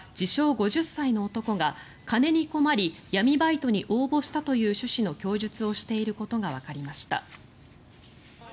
５０歳の男が金に困り闇バイトに応募したという趣旨の供述をしていることがわかりました。